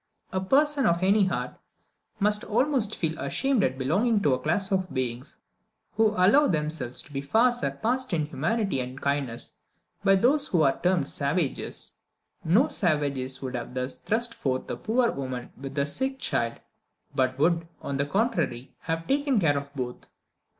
A person of any heart must almost feel ashamed at belonging to a class of beings who allow themselves to be far surpassed in humanity and kindness by those who are termed savages; no savages would have thus thrust forth a poor woman with a sick child, but would, on the contrary, have taken care of both.